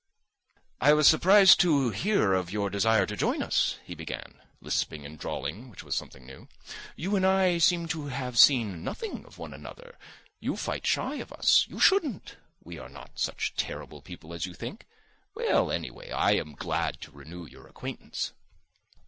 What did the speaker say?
"I was surprised to hear of your desire to join us," he began, lisping and drawling, which was something new. "You and I seem to have seen nothing of one another. You fight shy of us. You shouldn't. We are not such terrible people as you think. Well, anyway, I am glad to renew our acquaintance."